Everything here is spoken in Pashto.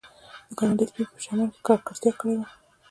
د ګاونډي سپي په چمن کې ککړتیا کړې وي